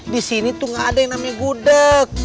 di sini tuh nggak ada yang namanya budeg